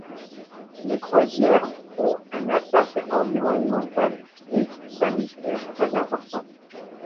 Les croisières ont un impact environnemental et sanitaire très important.